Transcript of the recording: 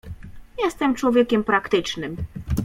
"Jestem człowiekiem praktycznym."